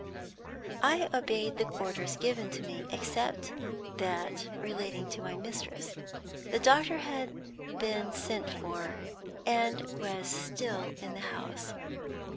I obeyed the orders given to me except that relating to my mistress. The doctor had been sent for, and was still in the house.